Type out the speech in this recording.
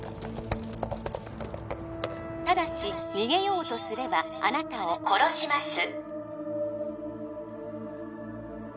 ただし逃げようとすればあなたを殺します